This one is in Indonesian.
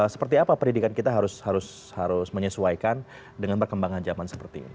seperti apa pendidikan kita harus menyesuaikan dengan perkembangan zaman seperti ini